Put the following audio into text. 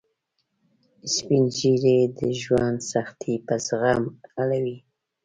سپین ږیری د ژوند سختۍ په زغم حلوي